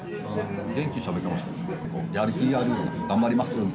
元気にしゃべってました。